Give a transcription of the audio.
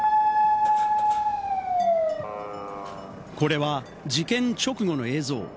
これは事件直後の映像。